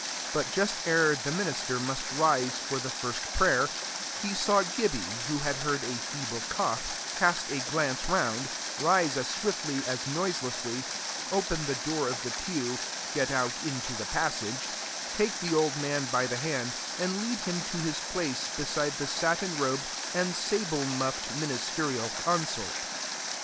But just ere the minister must rise for the first prayer, he saw Gibbie, who had heard a feeble cough, cast a glance round, rise as swiftly as noiselessly, open the door of the pew, get out into the passage, take the old man by the hand, and lead him to his place beside the satin robed and sable muffed ministerial consort.